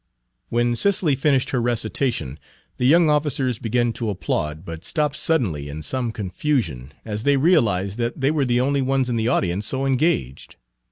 When Cicely finished her recitation, the young officers began to applaud, but stopped suddenly in some confusion as they realized that they were the only ones in the audience so engaged.